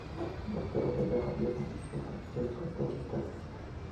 Los carros de guerra llevan siempre al costado un carcaj.